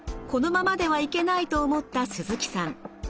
このままではいけないと思った鈴木さん。